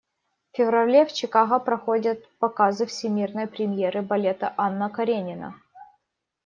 В феврале в Чикаго проходят показы всемирной премьеры балета «Анна Каренина».